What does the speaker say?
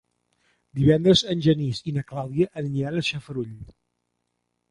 Divendres en Genís i na Clàudia aniran a Xarafull.